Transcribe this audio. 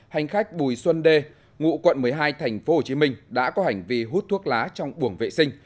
hành khách bùi xuân đê ngụ quận một mươi hai tp hcm đã có hành vi hút thuốc lá trong buồng vệ sinh